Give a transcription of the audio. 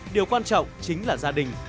điều quan trọng chính là gia đình